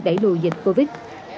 đẩy đùi dịch covid